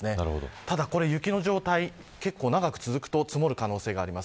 ただ、雪の状態が結構長く続くと積もる可能性があります。